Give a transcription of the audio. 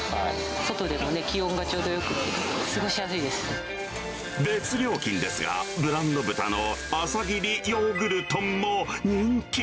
外出ると気温がちょうどよく別料金ですが、ブランド豚の朝霧ヨーグル豚も人気。